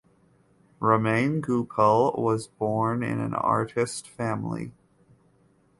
Romain Goupil was born in an artist family.